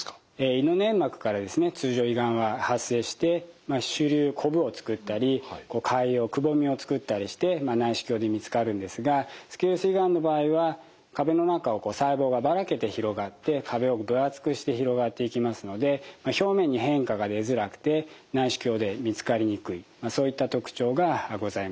胃の粘膜からですね通常胃がんは発生して腫りゅうこぶを作ったり潰瘍くぼみを作ったりして内視鏡で見つかるんですがスキルス胃がんの場合は壁の中を細胞がばらけて広がって壁を分厚くして広がっていきますので表面に変化が出づらくて内視鏡で見つかりにくいそういった特徴がございます。